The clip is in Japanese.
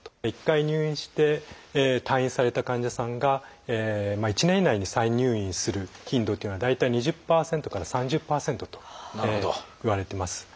一回入院して退院された患者さんが１年以内に再入院する頻度というのは大体２０％から３０％といわれてます。